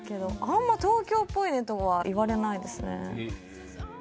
あんま「東京っぽいね」とは言われないですね